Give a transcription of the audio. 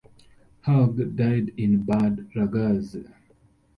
Haug died in Bad Ragaz.